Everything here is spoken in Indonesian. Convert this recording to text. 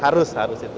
harus harus itu